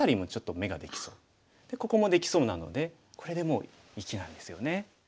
ここもできそうなのでこれでもう生きなんですよね。